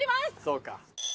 そうか。